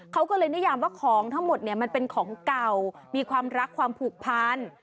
เขาก็เลยนิยามว่าของทั้งหมดเนี่ยมันเป็นของเก่ามีความรักความผูกพัน